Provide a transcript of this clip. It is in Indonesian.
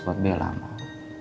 buat bella mak